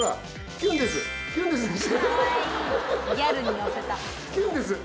「キュンです」。